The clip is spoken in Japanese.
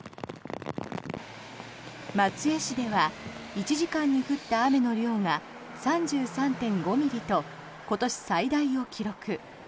松江市では１時間に降った雨の量が３３．５ミリと今年最大を記録。